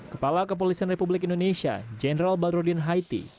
kepala kepolisian republik indonesia jenderal badrodin haiti